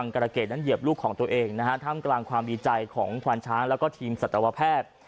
กรเกรดนั้นเหยียบลูกของตัวเองนะฮะท่ามกลางความดีใจของควานช้างแล้วก็ทีมสัตวแพทย์